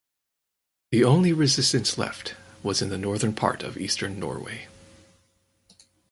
The only resistance left was in the northern part of Eastern Norway.